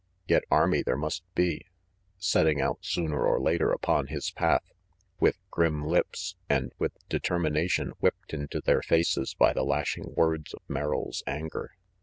Yet army there must be, setting out sooner or later upon his path, with grim lips, and with determination whipped into their faces by the lashing words of Merrill's anger.